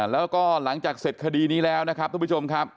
แล้วก็หลังจากเสร็จคดีนี้แล้วนะครับทุกผู้ชมครับ